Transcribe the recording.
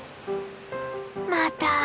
また。